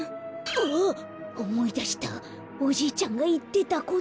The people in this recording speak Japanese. あっおもいだしたおじいちゃんがいってたこと。